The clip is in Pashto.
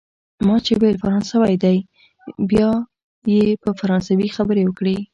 ما چي ویل فرانسوی دی، بیا یې په فرانسوي خبرې وکړې.